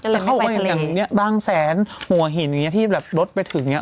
แต่เขาบอกว่าอย่างนี้บางแสนหัวหินอย่างนี้ที่แบบรถไปถึงเนี่ย